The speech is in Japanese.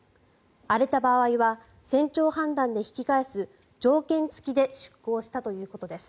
荒れた場合は船長判断で引き返す条件付きで出航したということです。